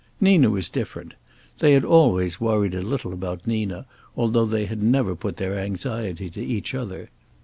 Nina was different. They had always worried a little about Nina, although they had never put their anxiety to each other.